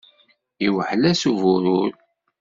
Iwḥel-as uburur.